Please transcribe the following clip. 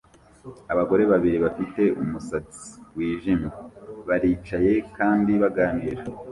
Abagore babiri bafite umusatsi wijimye baricaye kandi baganira